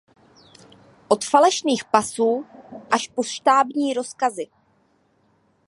Od falešných pasů až po štábní rozkazy.